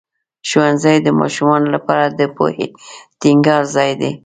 ښوونځی د ماشومانو لپاره د پوهې ټینګار ځای دی.